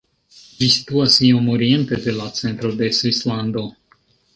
Ĝi situas iom oriente de la centro de Svislando.